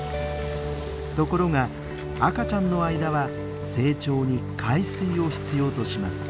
ところが赤ちゃんの間は成長に海水を必要とします。